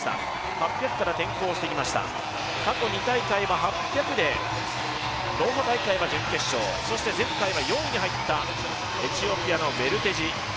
８００から転向してきました、過去２大会は８００でローマ大会は準決勝、前回は４位に入ったエチオピアのウェルテジ。